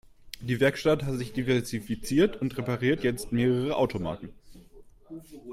Die Werkstatt hat sich diversifiziert und repariert jetzt mehrere Automarken.